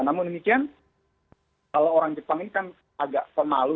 namun demikian kalau orang jepang ini kan agak pemalu